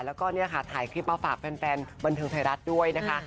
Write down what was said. แล้วก็เนี่ยค่ะถ่ายคลิปมาฝากแฟนบันเทิงไทยรัฐด้วยนะคะ